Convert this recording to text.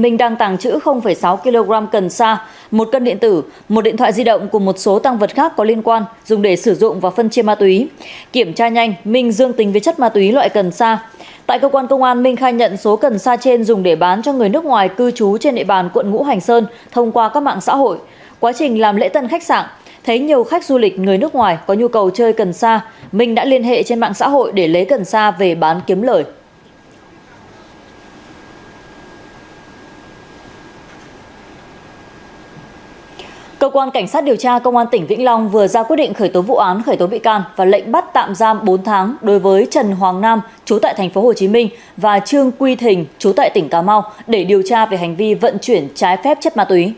cảnh sát điều tra công an tỉnh vĩnh long vừa ra quyết định khởi tố vụ án khởi tố bị can và lệnh bắt tạm giam bốn tháng đối với trần hoàng nam chú tại tp hcm và trương quy thình chú tại tỉnh cà mau để điều tra về hành vi vận chuyển trái phép chất ma túy